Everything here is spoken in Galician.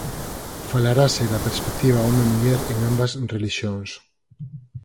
Falarase da perspectiva home-muller en ambas relixións